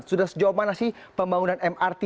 sudah sejauh mana sih pembangunan mrt